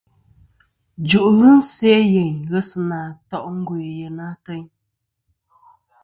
Jù'lɨ se' yeyn ghesɨna to' ngœ yèyn ateyn.